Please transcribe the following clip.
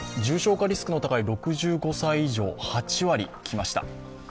重症化リスクの高い６５歳以上８割きました。